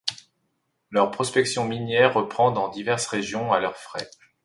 Leur prospection minière reprend dans diverses régions, à leurs frais.